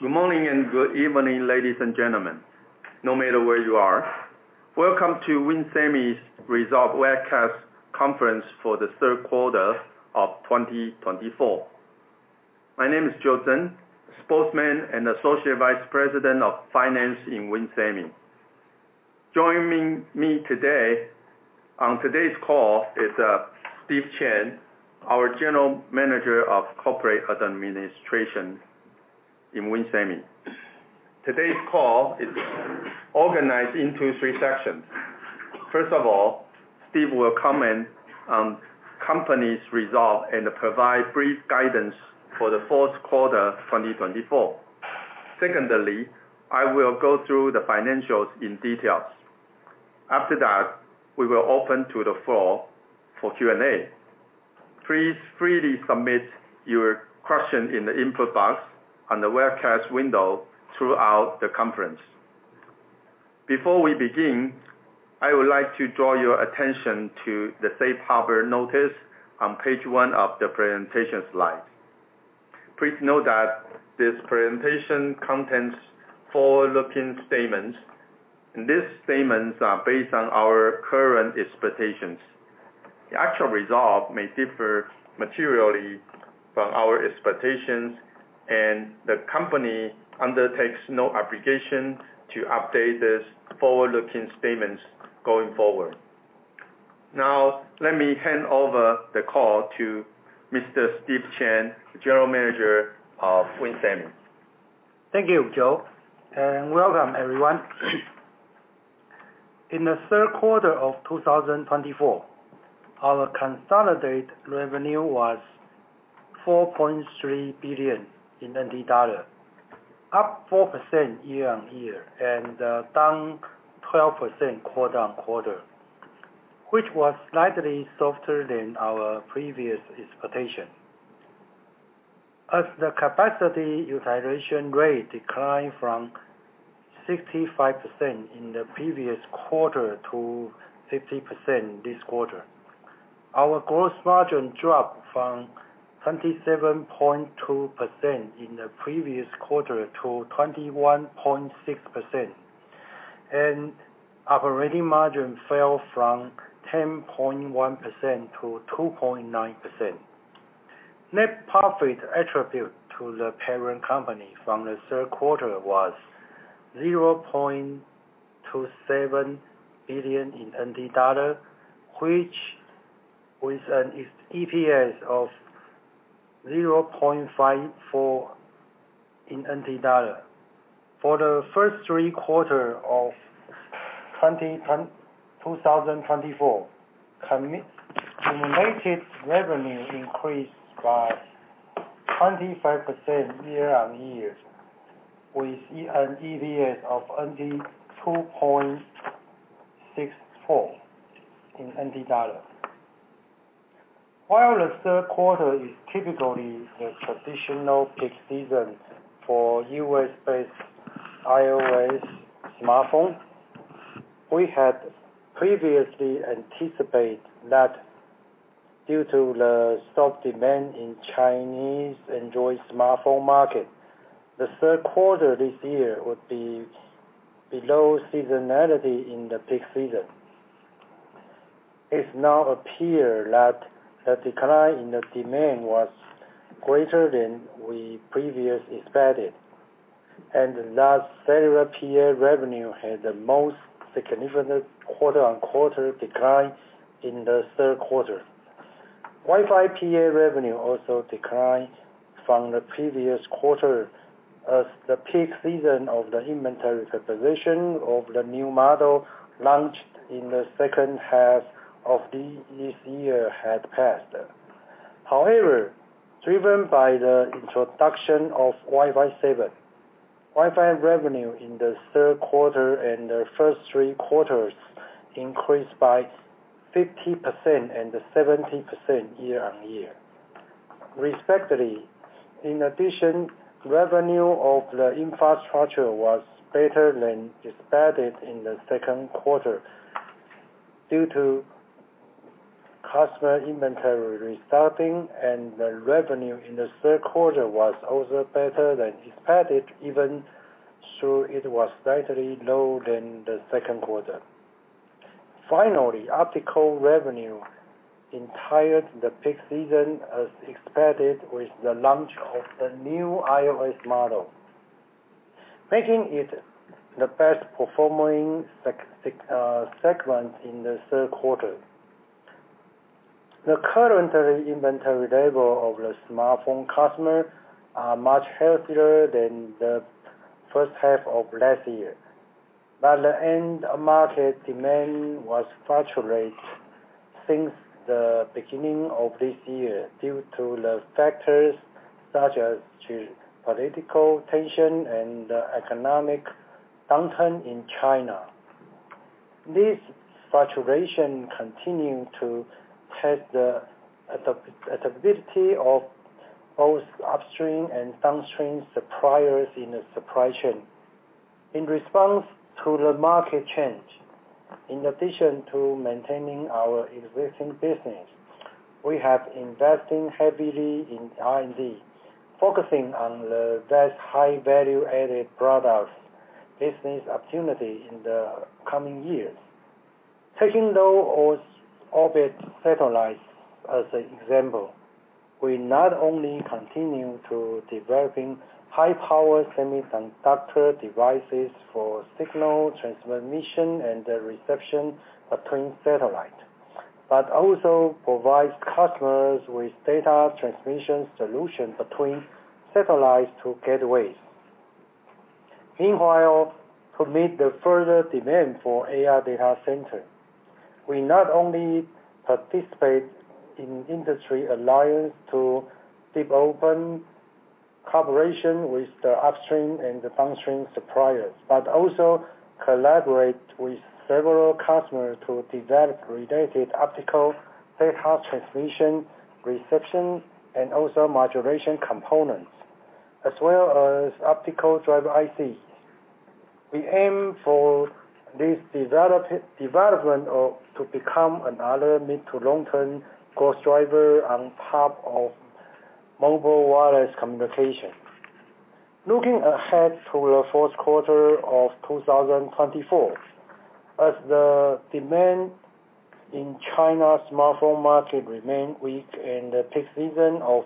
Good morning and good evening, ladies and gentlemen, no matter where you are. Welcome to WIN Semiconductors' Results Webcast Conference for the third quarter of 2024. My name is Joe Tseng, Spokesman and Associate Vice President of Finance at WIN Semiconductors. Joining me today on today's call is Steve Chen, our General Manager of Corporate Administration at WIN Semiconductors. Today's call is organized into three sections. First of all, Steve will comment on company's results and provide brief guidance for the fourth quarter of 2024. Secondly, I will go through the financials in detail. After that, we will open to the floor for Q&A. Please freely submit your questions in the input box on the webcast window throughout the conference. Before we begin, I would like to draw your attention to the safe harbor notice on page one of the presentation slides. Please note that this presentation contains forward-looking statements, and these statements are based on our current expectations. The actual result may differ materially from our expectations, and the company undertakes no obligation to update these forward-looking statements going forward. Now, let me hand over the call to Mr. Steve Chen, General Manager of WIN Semiconductors. Thank you, Joe, and welcome everyone. In the third quarter of 2024, our consolidated revenue was 4.3 billion in NT dollars, up 4% year-on-year and down 12% quarter-on-quarter, which was slightly softer than our previous expectation. As the capacity utilization rate declined from 65% in the previous quarter to 50% this quarter, our gross margin dropped from 27.2% in the previous quarter to 21.6%, and operating margin fell from 10.1% to 2.9%. Net profit attributed to the parent company from the third quarter was 0.27 billion in NT dollars, which was an EPS of 0.54 in NT dollars. For the first three quarters of 2024, cumulative revenue increased by 25% year-on-year, with an EPS of 2.64 in NT dollars. While the third quarter is typically the traditional peak season for U.S.-based iOS smartphones, we had previously anticipated that due to the soft demand in the Chinese Android smartphone market, the third quarter this year would be below seasonality in the peak season. It now appears that the decline in the demand was greater than we previously expected, and the last cellular PA revenue had the most significant quarter-on-quarter decline in the third quarter. Wi-Fi PA revenue also declined from the previous quarter as the peak season of the inventory preparation of the new model launched in the second half of this year had passed. However, driven by the introduction of Wi-Fi 7, Wi-Fi revenue in the third quarter and the first three quarters increased by 50% and 70% year-on-year. Respectively, in addition, revenue of the infrastructure was better than expected in the second quarter due to customer inventory restocking, and the revenue in the third quarter was also better than expected, even though it was slightly lower than the second quarter. Finally, optical revenue entirely in the peak season as expected with the launch of the new iOS model, making it the best-performing segment in the third quarter. The current inventory levels of the smartphone customers are much healthier than the first half of last year, but the end-market demand was fluctuating since the beginning of this year due to factors such as geopolitical tensions and the economic downturn in China. This fluctuation continues to test the stability of both upstream and downstream suppliers in the supply chain. In response to the market change, in addition to maintaining our existing business, we have invested heavily in R&D, focusing on the best high-value-added products business opportunities in the coming years. Taking low-orbit satellites as an example, we not only continue to develop high-power semiconductor devices for signal transmission and reception between satellites, but also provide customers with data transmission solutions between satellites to gateways. Meanwhile, to meet the further demand for AI data centers, we not only participate in industry alliances to develop collaboration with the upstream and downstream suppliers, but also collaborate with several customers to develop related optical data transmission, reception, and also modulation components, as well as Optical Driver ICs. We aim for this development to become another mid-to-long-term growth driver on top of mobile wireless communication. Looking ahead to the fourth quarter of 2024, as the demand in China's smartphone market remains weak and the peak season of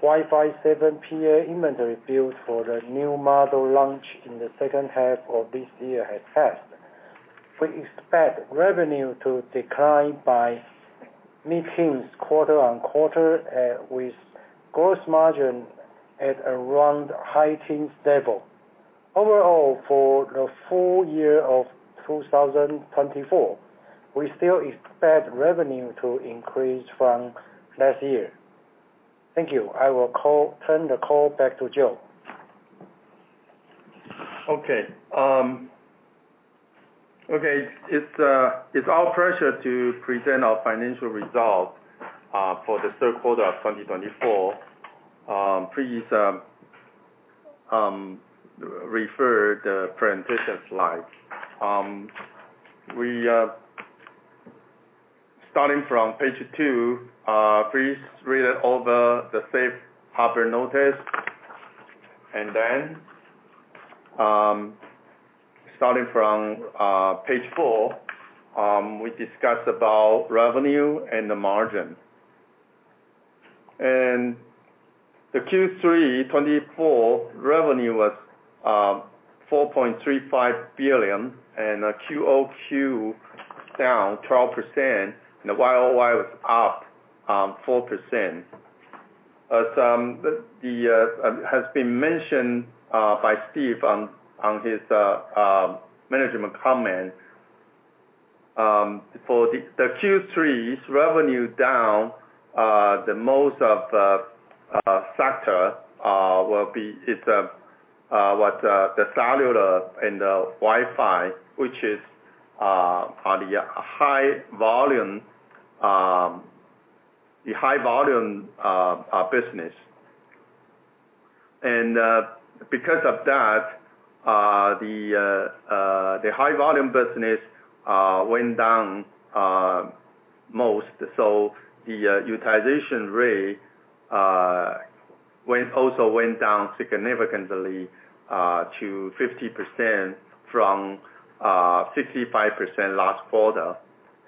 Wi-Fi 7 PA inventory builds for the new model launched in the second half of this year has passed, we expect revenue to decline by mid-teens quarter-on-quarter, with gross margins at around high-30s levels. Overall, for the full year of 2024, we still expect revenue to increase from last year. Thank you. I will turn the call back to Joe. Okay. It's our pleasure to present our financial results for the third quarter of 2024. Please refer to the presentation slides. Starting from page two, please read over the safe harbor notice. And then, starting from page four, we discuss about revenue and the margin. And the Q3 2024 revenue was 4.35 billion, and QOQ down 12%, and the YoY was up 4%. As has been mentioned by Steve on his management comment, for the Q3's revenue down, the most of the sector will be what's the cellular and the Wi-Fi, which is on the high-volume business. And because of that, the high-volume business went down most, so the utilization rate also went down significantly to 50% from 65% last quarter.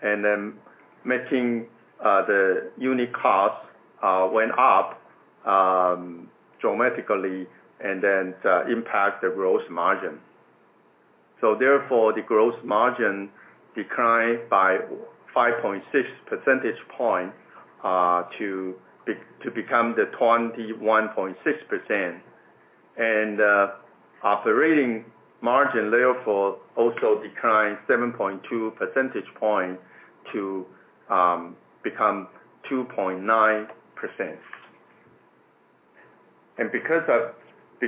And then making the unit costs went up dramatically and then impacted the gross margin. So therefore, the gross margin declined by 5.6 percentage points to become the 21.6%. The operating margin therefore also declined 7.2 percentage points to become 2.9%.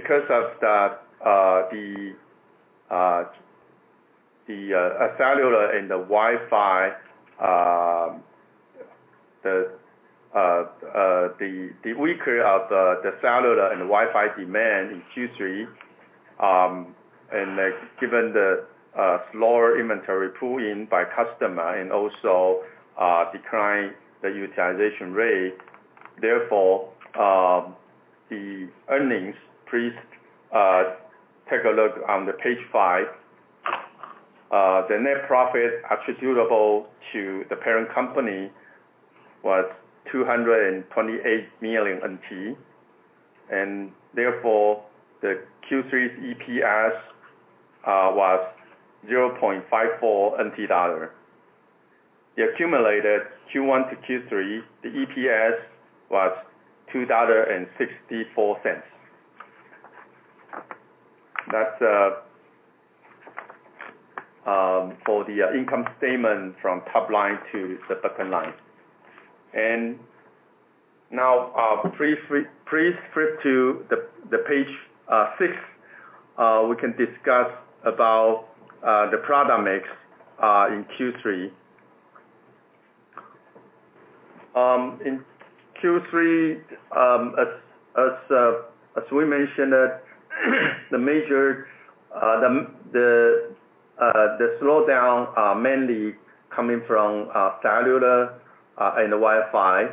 Because of the cellular and the Wi-Fi, the weaker of the cellular and Wi-Fi demand in Q3, and given the slower inventory pooling by customers and also declined the utilization rate, therefore the earnings, please take a look on page five. The net profit attributable to the parent company was 228 million NT, and therefore the Q3's EPS was 0.54 NT dollar. The accumulated Q1 to Q3, the EPS was TWD 2.64. That's for the income statement from top line to the bottom line. Now, please flip to page six. We can discuss about the product mix in Q3. In Q3, as we mentioned, the slowdown mainly coming from cellular and Wi-Fi.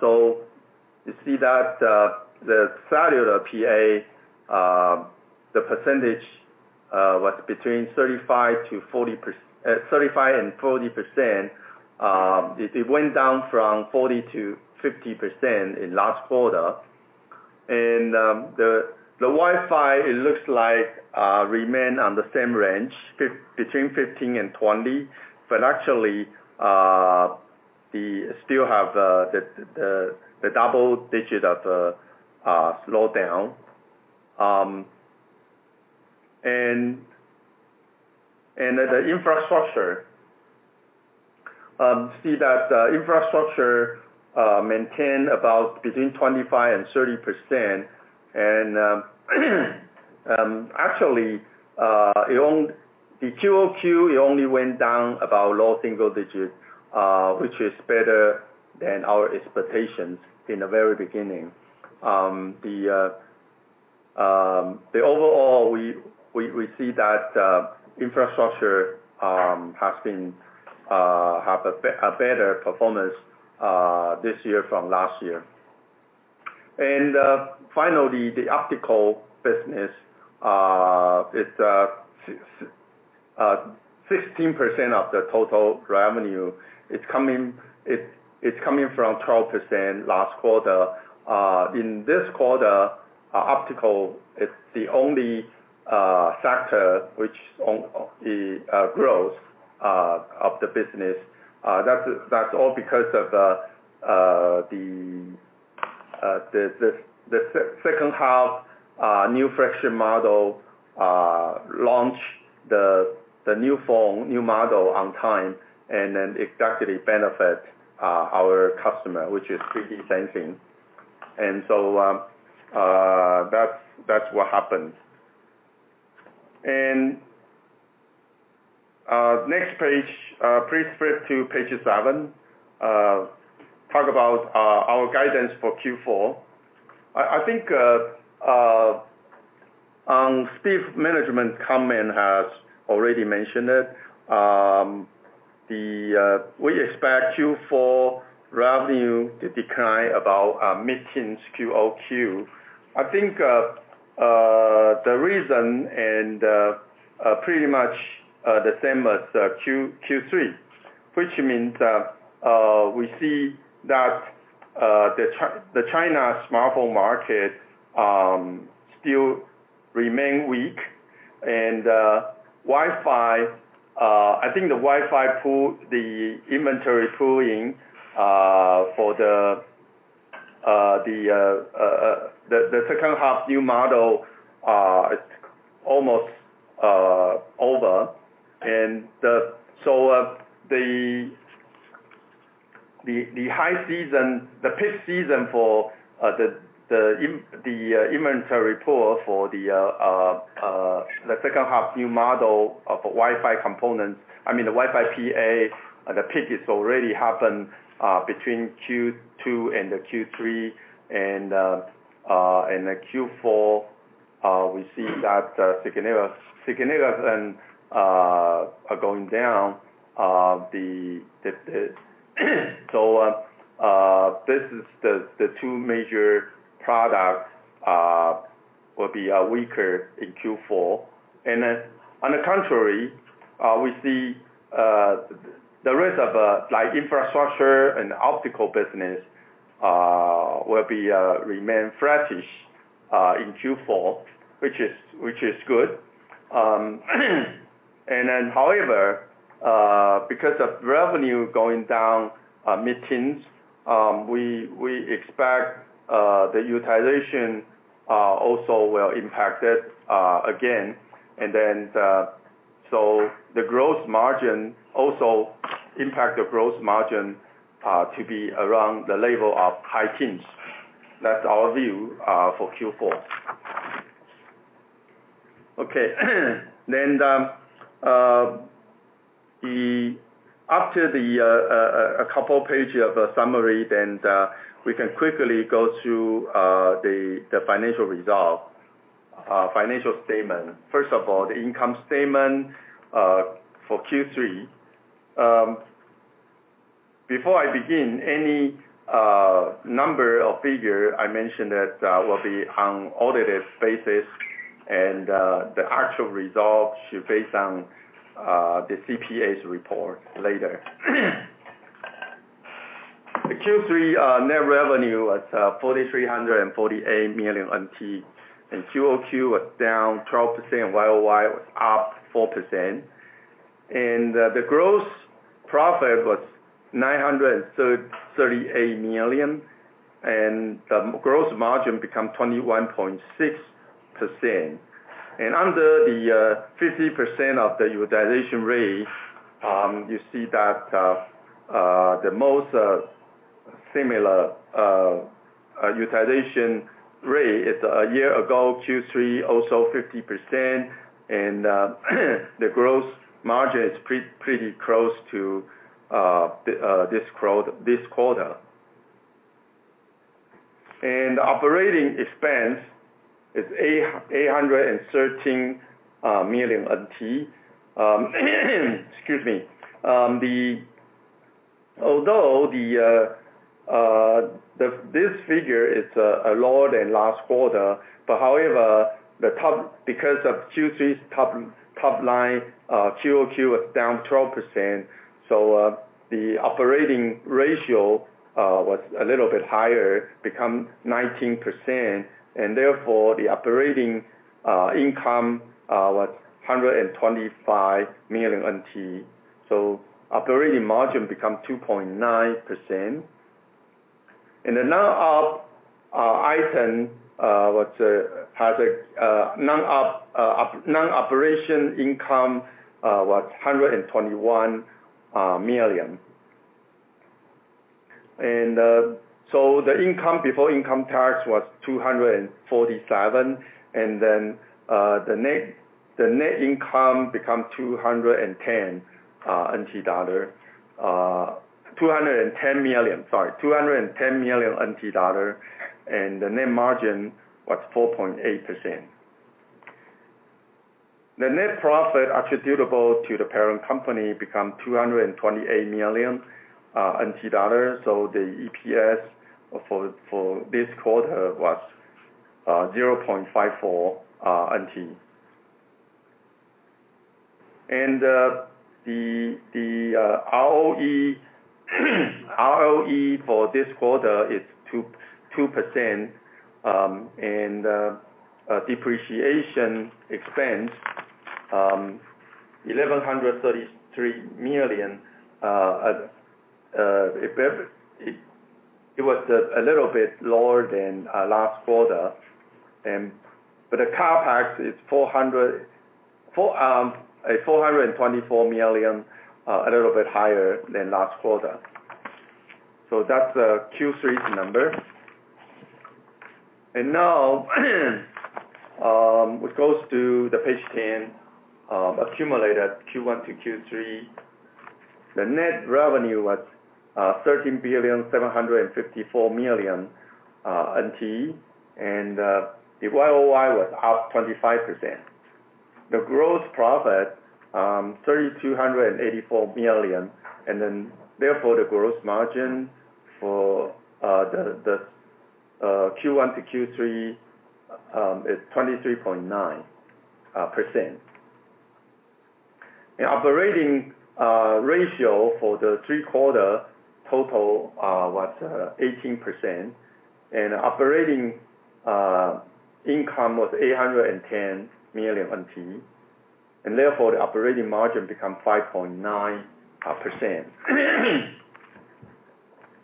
So you see that the cellular PA, the percentage was between 35% and 40%. It went down from 40% to 50% in last quarter. The Wi-Fi, it looks like remained on the same range, between 15%-20%, but actually still have the double-digit slowdown. The infrastructure, see that the infrastructure maintained about between 25%-30%. And actually, the QOQ only went down about low single-digit, which is better than our expectations in the very beginning. Overall, we see that infrastructure has been a better performance this year from last year. Finally, the optical business, it's 16% of the total revenue. It's coming from 12% last quarter. In this quarter, optical is the only sector which grows of the business. That's all because of the second half, new flagship model launched, the new phone, new model on time, and then it actually benefits our customer, which is 3D sensing, so that's what happened. And next page, please flip to page seven, talk about our guidance for Q4. I think on Steve's management comment, I already mentioned it. We expect Q4 revenue to decline about mid-teens QOQ. I think the reason and pretty much the same as Q3, which means we see that the China smartphone market still remains weak. And Wi-Fi, I think the Wi-Fi pool, the inventory pooling for the second half new model is almost over. And so the high season, the peak season for the inventory pool for the second half new model of Wi-Fi components, I mean, the Wi-Fi PA, the peak has already happened between Q2 and Q3. And Q4, we see that significantly going down. So this is the two major products will be weaker in Q4. And then on the contrary, we see the rest of the infrastructure and optical business will remain flattish in Q4, which is good. And then, however, because of revenue going down mid-teens, we expect the utilization also will impact it again. And then so the gross margin also impacts the gross margin to be around the level of high teens. That's our view for Q4. Okay. Then after a couple of pages of the summary, then we can quickly go to the financial results, financial statement. First of all, the income statement for Q3. Before I begin, any number of figures I mentioned that will be on an audited basis, and the actual result should be based on the CPA's report later. Q3 net revenue was 4,348 million NT, and QOQ was down 12%, YoY was up 4%. And the gross profit was 938 million, and the gross margin became 21.6%. Under the 50% of the utilization rate, you see that the most similar utilization rate a year ago, Q3, also 50%. And the gross margin is pretty close to this quarter. And operating expense is TWD 813 million. Excuse me. Although this figure is lower than last quarter, but however, because of Q3's top line, QOQ was down 12%. So the operating ratio was a little bit higher, became 19%. And therefore, the operating income was 125 million NT. So operating margin became 2.9%. And the non-op item was non-operation income was TWD 121 million. And so the income before income tax was 247. And then the net income became 210 million. Sorry, 210 million NT dollar. And the net margin was 4.8%. The net profit attributable to the parent company became 228 million NT dollars. So the EPS for this quarter was 0.54 NT. And the ROE for this quarter is 2%. And depreciation expense, 1,133 million. It was a little bit lower than last quarter. But the CapEx is 424 million, a little bit higher than last quarter. So that's Q3's number. And now, we go to page 10, accumulated Q1 to Q3. The net revenue was 13,754 million NT. And the YoY was up 25%. The gross profit, 3,284 million. And then therefore, the gross margin for the Q1 to Q3 is 23.9%. And operating ratio for the three-quarter total was 18%. And operating income was 810 million NT. And therefore, the operating margin became 5.9%.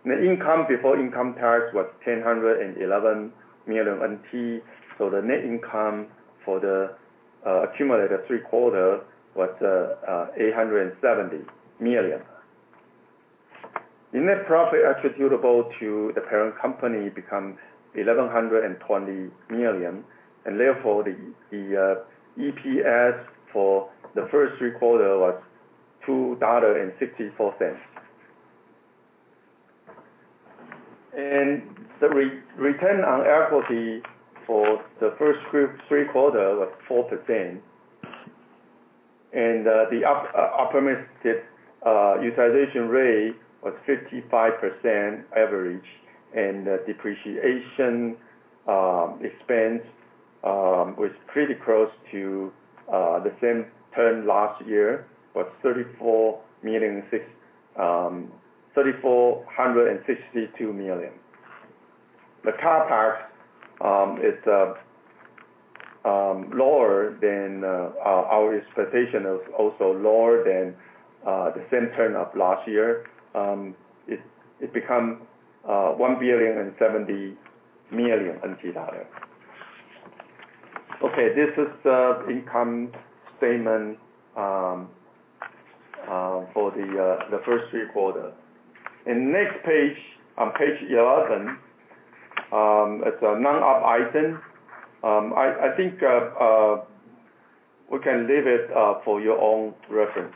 The income before income tax was 1,011 million NT. So the net income for the accumulated three-quarter was 870 million. The net profit attributable to the parent company became 1,120 million. And therefore, the EPS for the first three quarter was 2.64 dollar. And the return on equity for the first three quarter was 4%. The optimistic utilization rate was 55% average. The depreciation expense was pretty close to the same turn last year, was 3,462 million. The CapEx is lower than our expectation of also lower than the same turn of last year. It became 1.7 billion. Okay. This is the income statement for the first three quarter. Next page, on page 11, it's a non-op item. I think we can leave it for your own reference.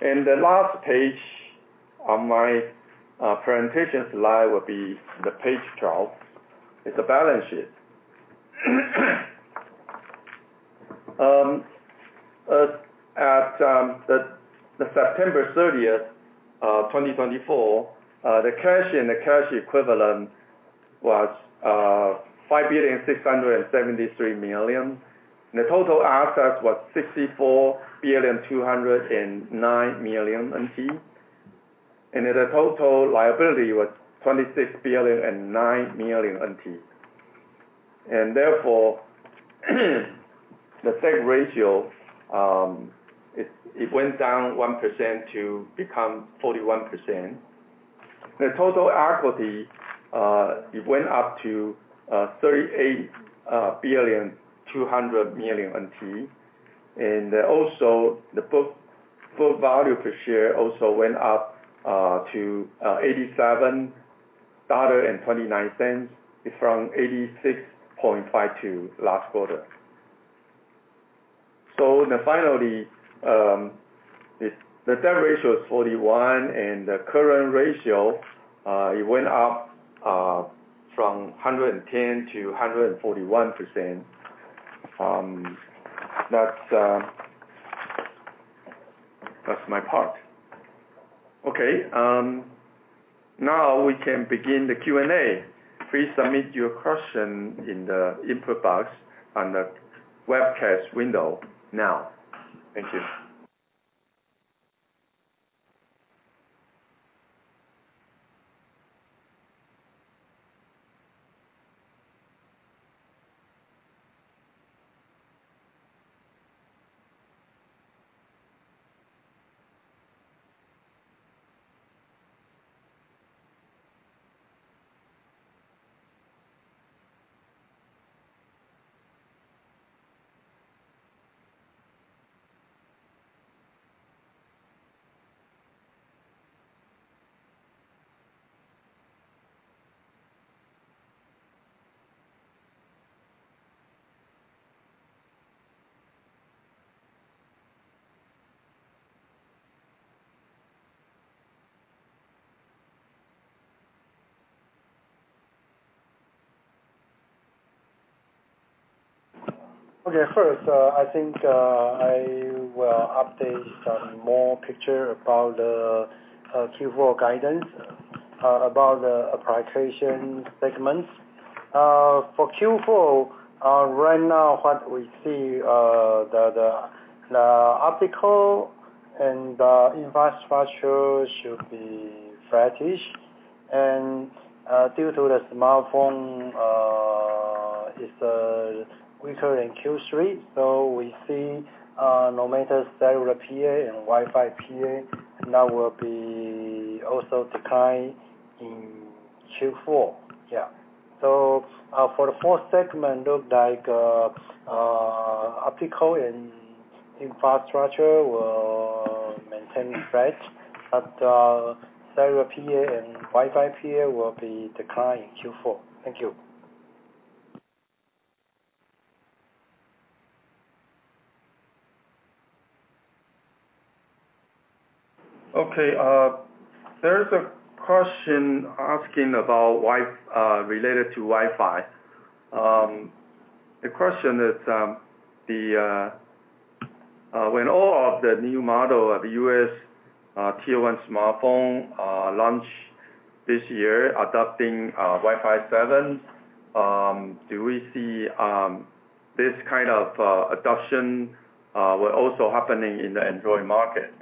The last page on my presentation slide will be the page 12. It's a balance sheet. At September 30th, 2024, the cash and the cash equivalent was 5,673 million. The total assets were 64,209 million NT. The total liability was 26,009 million NT. Therefore, the debt ratio, it went down 1% to become 41%. The total equity, it went up to 38,200 million NT. Also, the book value per share also went up to 87.29 dollar from 86.52 last quarter. Finally, the SEG ratio is 41. The current ratio went up from 110% to 141%. That's my part. Okay. Now we can begin the Q&A. Please submit your question in the input box on the webcast window now. Thank you. Okay. First, I think I will update some more pictures about the Q4 guidance, about the application segments. For Q4, right now, what we see, the optical and the infrastructure should be flattish. Due to the smartphone, it's weaker than Q3. So we see no matter Cellular PA and Wi-Fi PA, that will be also decline in Q4. Yeah. So for the fourth segment, looked like optical and infrastructure will maintain flat. But Cellular PA and Wi-Fi PA will be decline in Q4. Thank you. Okay. There's a question asking about related to Wi-Fi. The question is, when all of the new model of U.S. Tier 1 smartphone launch this year, adopting Wi-Fi 7, do we see this kind of adoption will also happening in the Android market?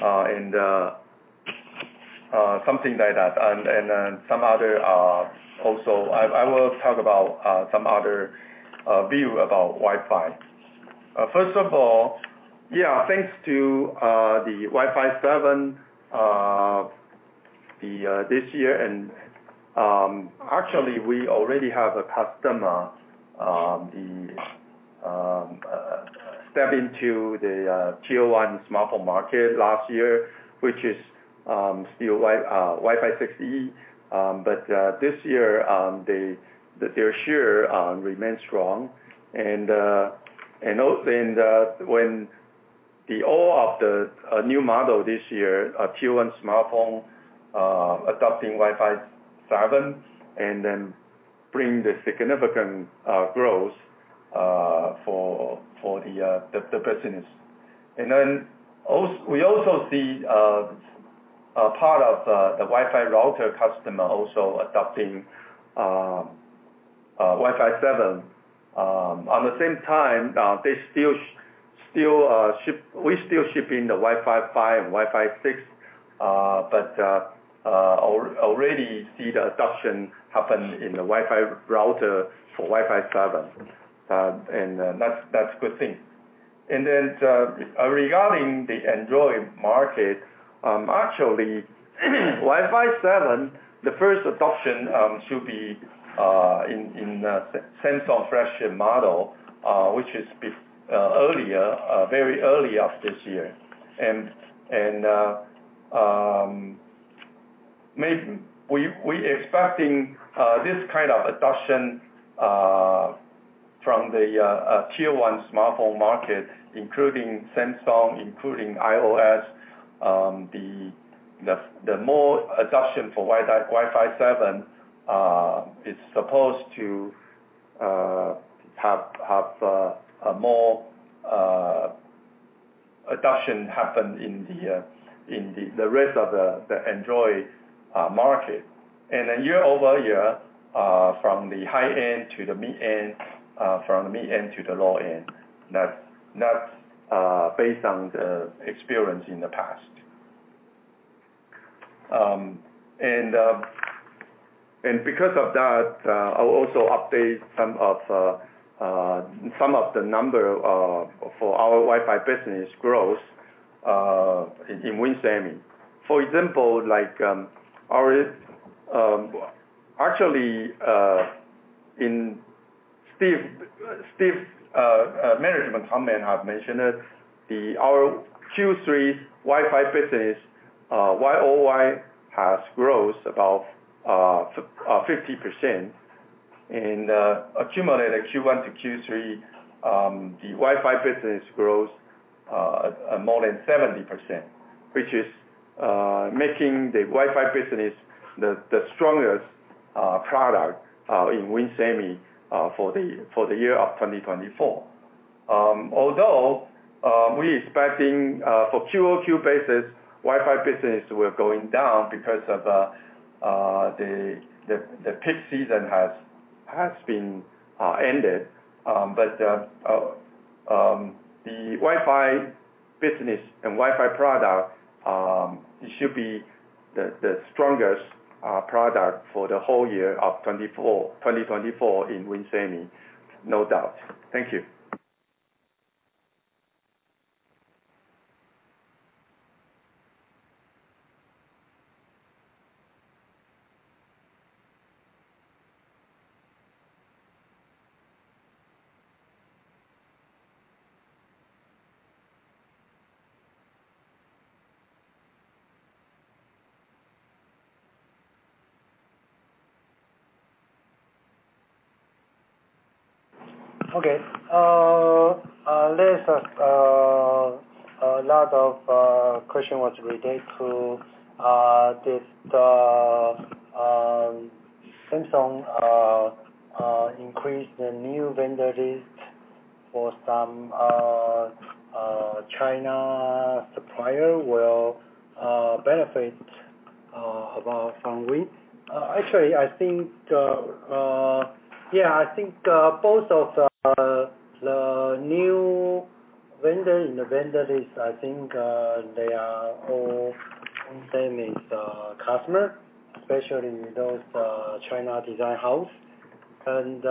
And something like that. And some other also, I will talk about some other view about Wi-Fi. First of all, yeah, thanks to the Wi-Fi 7 this year. And actually, we already have a customer step into the Tier 1 smartphone market last year, which is still Wi-Fi 6E. But this year, their share remains strong. And when all of the new model this year, Tier 1 smartphone adopting Wi-Fi 7, and then bring the significant growth for the business. And then we also see part of the Wi-Fi router customer also adopting Wi-Fi 7. At the same time, we still shipping the Wi-Fi 5 and Wi-Fi 6, but already see the adoption happen in the Wi-Fi router for Wi-Fi 7. And that's a good thing. And then regarding the Android market, actually, Wi-Fi 7, the first adoption should be in Samsung flagship model, which is very early of this year. And we expecting this kind of adoption from the Tier 1 smartphone market, including Samsung, including iOS, the more adoption for Wi-Fi 7 is supposed to have more adoption happen in the rest of the Android market. And then year over year, from the high end to the mid end, from the mid end to the low end, based on the experience in the past. And because of that, I'll also update some of the number for our Wi-Fi business growth in WIN Semi. For example, actually, Steve's management comment have mentioned it, our Q3 Wi-Fi business, YoY has growth about 50%. And accumulated Q1 to Q3, the Wi-Fi business growth more than 70%, which is making the Wi-Fi business the strongest product in WIN Semi for the year of 2024. Although we expecting for QOQ basis, Wi-Fi business will going down because of the peak season has been ended. But the Wi-Fi business and Wi-Fi product should be the strongest product for the whole year of 2024 in WIN Semi, no doubt. Thank you. Okay. There's a lot of question was related to did Samsung increase the new vendor list for some China supplier will benefit about somewhat? Actually, I think, yeah, I think both of the new vendor in the vendor list, I think they are all WIN Semi's customer, especially those China design house. And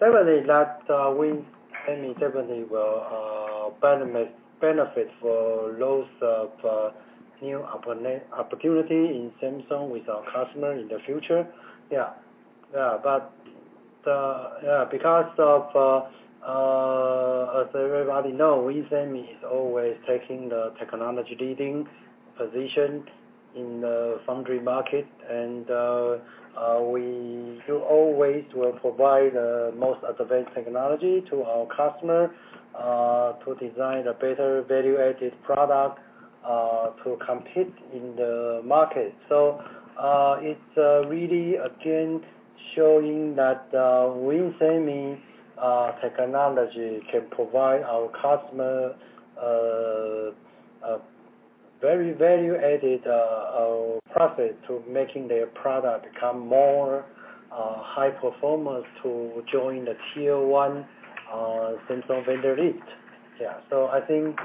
definitely, WIN Semi definitely will benefit for loads of new opportunity in Samsung with our customer in the future. Yeah. But because of, as everybody know, WIN Semi is always taking the technology leading position in the foundry market. And we always will provide the most advanced technology to our customer to design a better value-added product to compete in the market. So it's really, again, showing that WIN Semi technology can provide our customer very value-added profit to making their product become more high performance to join the Tier 1 Samsung vendor list. Yeah. So I think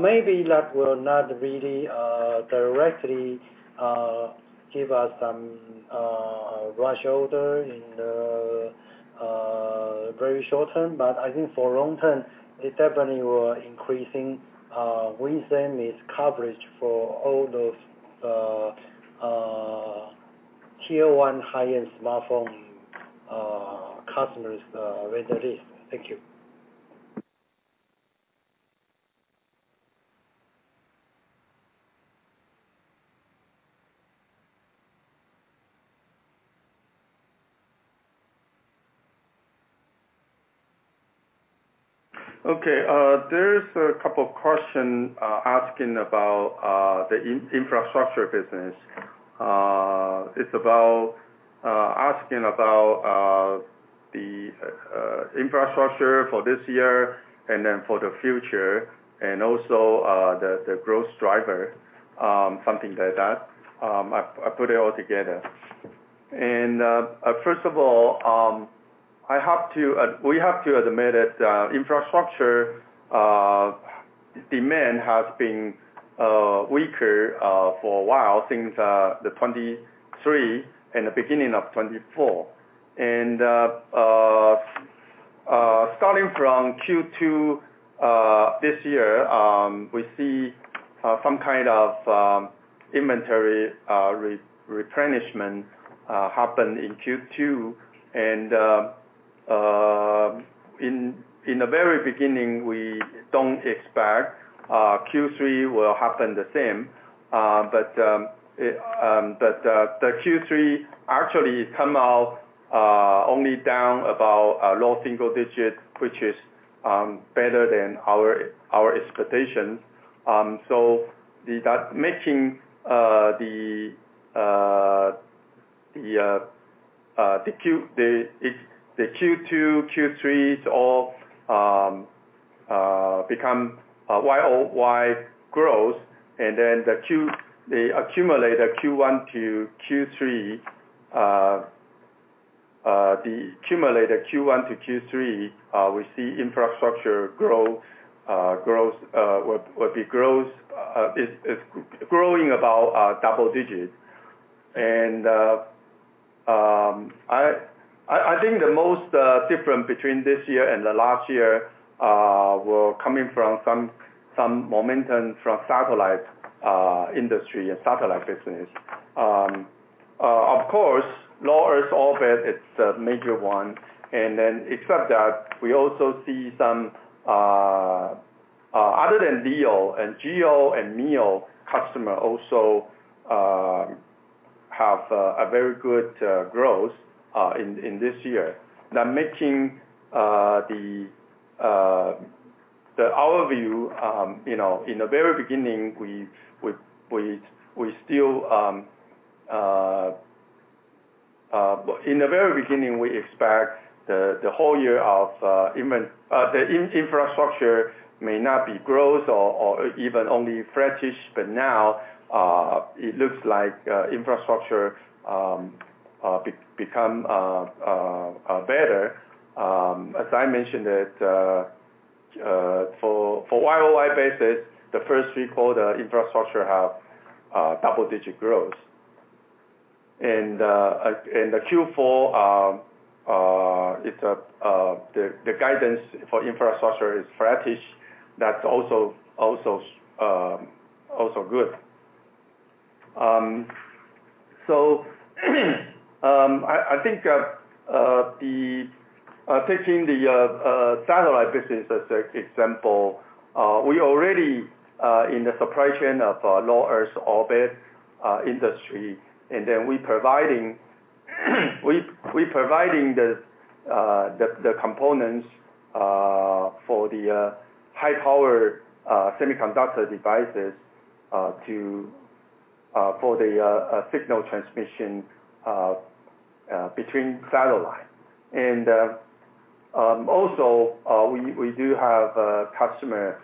maybe that will not really directly give us some rush order in the very short term. But I think for long term, it definitely will increasing WIN Semi's coverage for all those Tier 1 high-end smartphone customers' vendor list. Thank you. Okay. There's a couple of questions asking about the infrastructure business. It's about asking about the infrastructure for this year and then for the future, and also the growth driver, something like that. I put it all together. And first of all, we have to admit that infrastructure demand has been weaker for a while since the 2023 and the beginning of 2024. And starting from Q2 this year, we see some kind of inventory replenishment happen in Q2. And in the very beginning, we don't expect Q3 will happen the same. But the Q3 actually come out only down about low single-digit, which is better than our expectation. So making the Q2, Q3, all become YoY growth. And then the accumulated Q1 to Q3, the accumulated Q1 to Q3, we see infrastructure growth will be growing about double-digit. I think the most different between this year and the last year will coming from some momentum from satellite industry and satellite business. Of course, low Earth orbit, it's a major one. And then except that, we also see some, other than LEO, and GEO and MEO customer also have a very good growth in this year. Now, making the overview, in the very beginning, we expect the whole year of the infrastructure may not be growth or even only flattish. But now, it looks like infrastructure become better. As I mentioned it, for YoY basis, the first week of the infrastructure have double digit growth. And the Q4, the guidance for infrastructure is flattish. That's also good. So I think taking the satellite business as an example, we already in the supply chain of low Earth orbit industry, and then we providing the components for the high power semiconductor devices for the signal transmission between satellite. And also, we do have a customer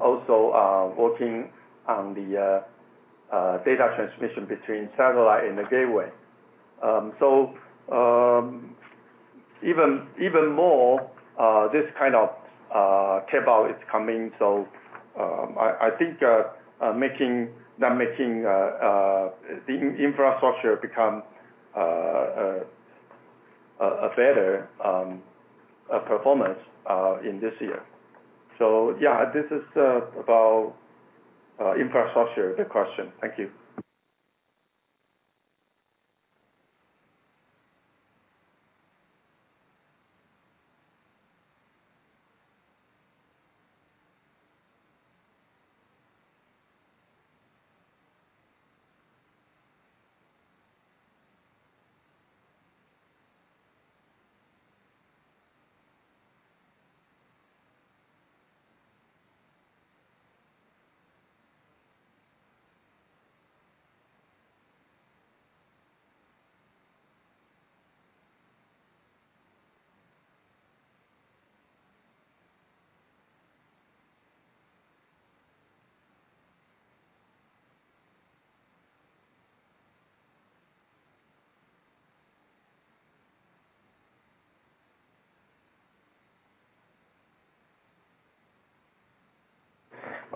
also working on the data transmission between satellite and the gateway. So even more, this kind of capability is coming. So I think that making the infrastructure become a better performance in this year. So yeah, this is about infrastructure, the question. Thank you.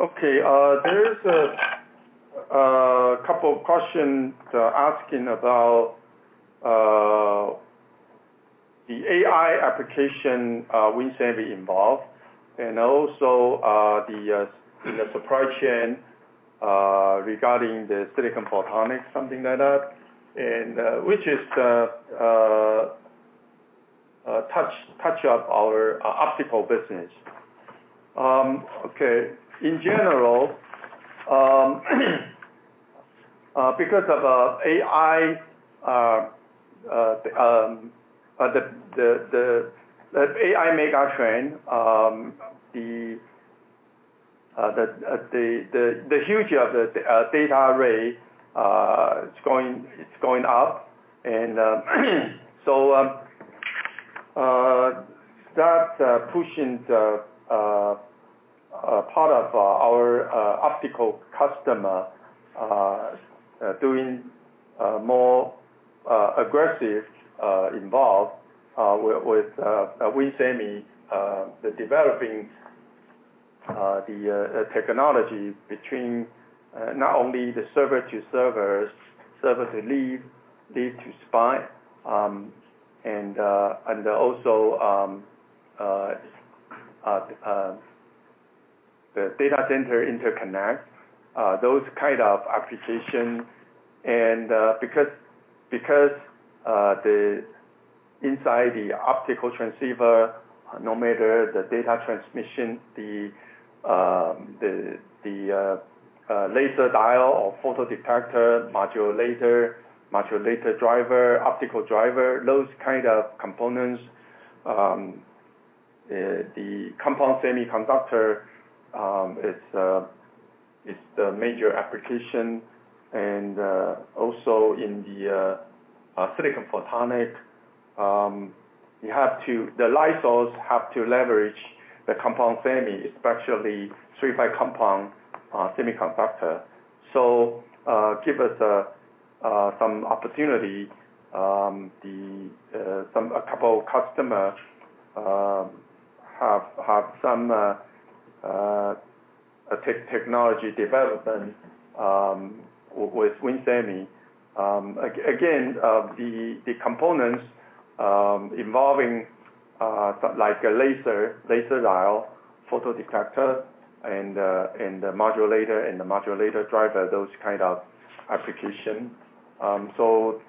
Okay. There's a couple of questions asking about the AI application WIN Semi involved, and also the supply chain regarding the silicon photonics, something like that, which is touch of our optical business. Okay. In general, because of AI, the AI supply chain, the huge data rate is going up. And so that pushing part of our optical customer doing more aggressive involved with WIN Semi, developing the technology between not only the server to server, server to leaf, leaf to spine, and also the data center interconnect, those kind of application. And because inside the optical transceiver, no matter the data transmission, the laser diode or photodetector, modulator laser, modulator laser driver, optical driver, those kind of components, the compound semiconductor is the major application. And also in the silicon photonics, you have to, the lasers have to leverage the compound semi, especially III-V compound semiconductor. So give us some opportunity. A couple of customers have some technology development with WIN Semi. Again, the components involving like a laser diode, photodetector, and the modulator laser and the modulator laser driver, those kind of application. So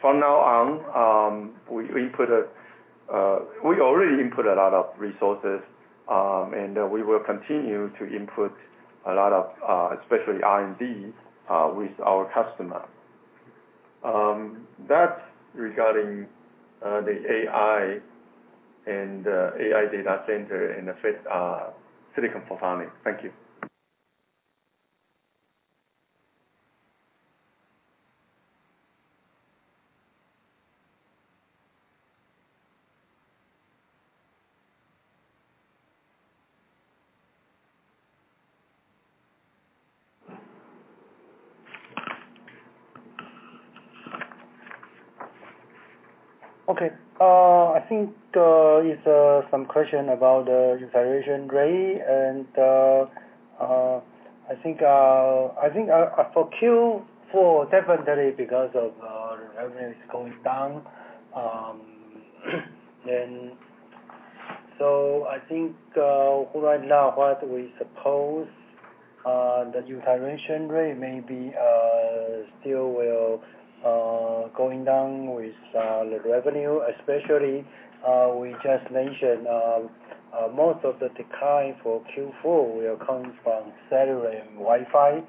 from now on, we already input a lot of resources, and we will continue to input a lot of, especially R&D with our customer. That's regarding the AI and AI data center and silicon photonics. Thank you. Okay. I think it's some question about the utilization rate, and I think for Q4, definitely because of revenue is going down. And so I think right now, what we suppose the utilization rate maybe still will going down with the revenue, especially we just mentioned most of the decline for Q4 will come from cellular and Wi-Fi,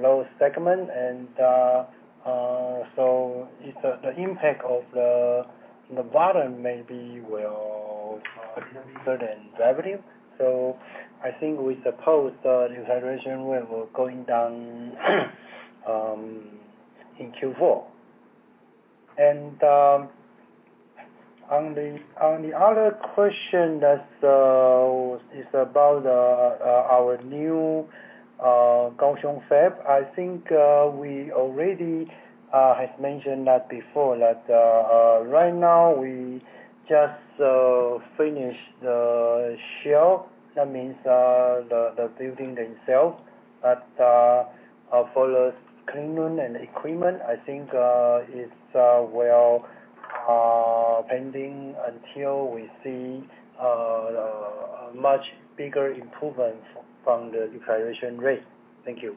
low segment. And so the impact of the bottom maybe will certain revenue. So I think we suppose the utilization rate will going down in Q4. And on the other question that is about our new Kaohsiung fab, I think we already has mentioned that before that right now we just finished the shell. That means the buildings themselves. But for the cleanroom and equipment, I think it's, well, pending until we see a much bigger improvement from the utilization rate. Thank you.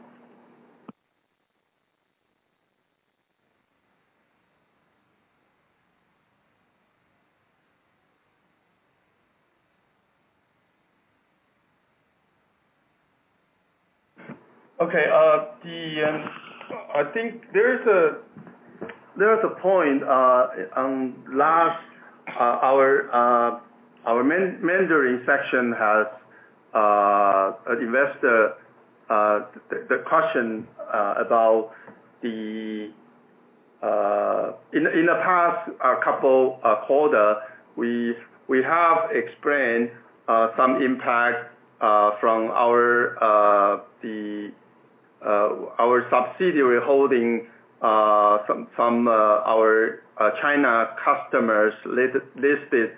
Okay. I think there's a point in last hour's management section. The question about in the past couple of quarters, we have explained some impact from our subsidiary holding some of our China customers' listed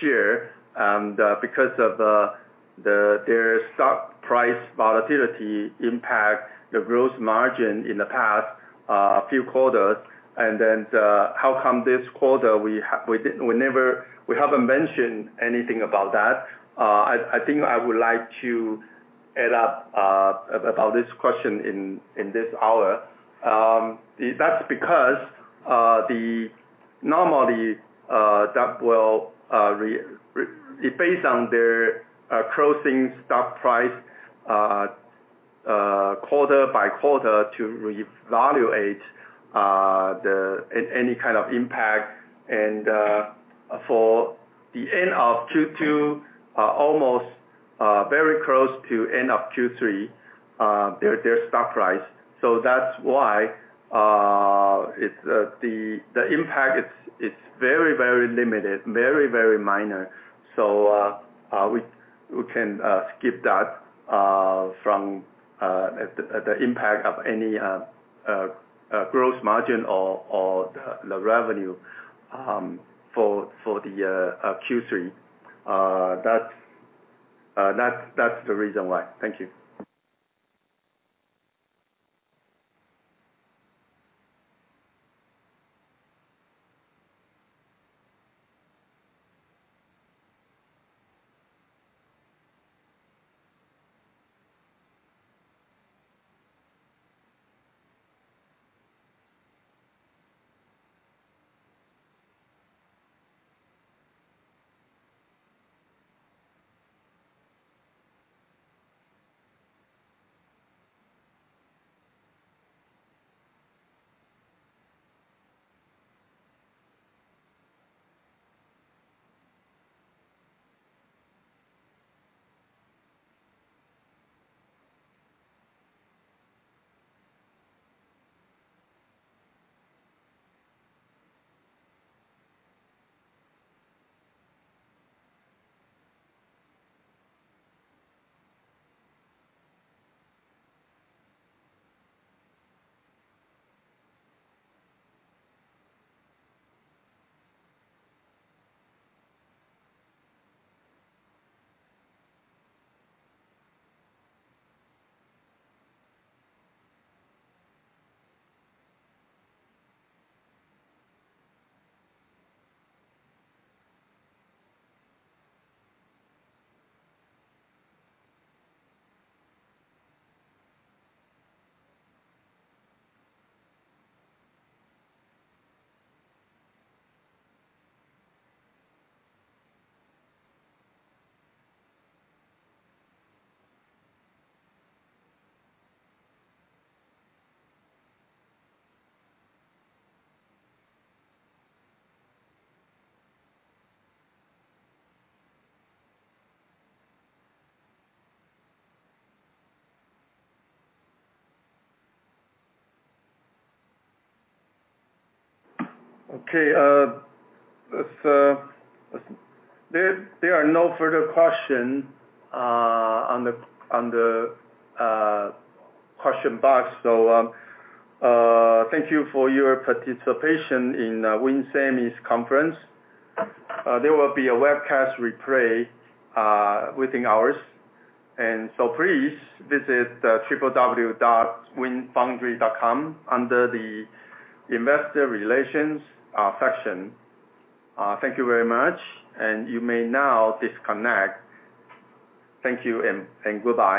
shares. And because of their stock price volatility impact the gross margin in the past few quarters, and then how come this quarter we haven't mentioned anything about that? I think I would like to address this question in this hour. That's because normally that will be based on their closing stock price quarter by quarter to evaluate any kind of impact, and for the end of Q2, almost very close to end of Q3, their stock price. So that's why the impact is very, very limited, very, very minor. So we can skip that from the impact of any gross margin or the revenue for the Q3. That's the reason why. Thank you. Okay. There are no further questions on the question box. So thank you for your participation in WIN Semi's conference. There will be a webcast replay within hours. And so please visit www.winfoundry.com under the investor relations section. Thank you very much. And you may now disconnect. Thank you and goodbye.